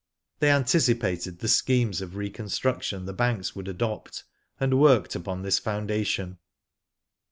They 'anticipated the schemes of reconstruction the banks would adopt, and worked upon this foundation.